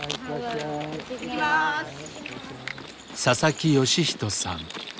佐々木善仁さん。